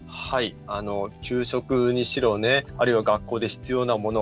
給食にしろあるいは学校で必要なもの